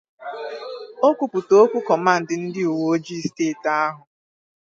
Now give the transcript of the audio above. okwuputa okwu kọmand ndị uweoji steeti ahụ